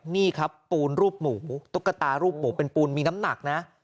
นี่ครับปูนรูปหมูตุ๊กตารูปหมูเป็นปูนมีน้ำหนักนะ